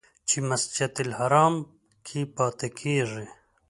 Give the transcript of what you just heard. چې مسجدالحرام کې پاتې کېږي.